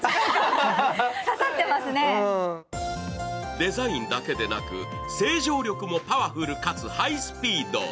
デザインだけでなく、清浄力もパワフルかつハイスピード。